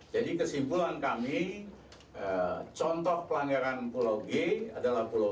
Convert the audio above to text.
jadi kesimpulan kami contoh pelanggaran pulau g adalah pulau g